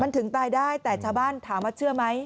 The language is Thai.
มันถึงตายได้แต่ชาวบ้านถามว่าเชื่อไหม